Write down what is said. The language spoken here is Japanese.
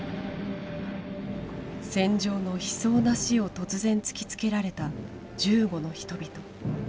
戦場の悲壮な死を突然突きつけられた銃後の人々。